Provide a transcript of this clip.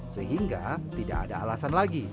sehingga tidak ada alasan lagi